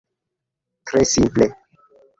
Tre simple.